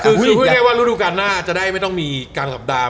คือพูดแบบว่าฤทธิ์ภาพรุ่งการหน้าจะได้ไม่ต้องมีการกลับดามา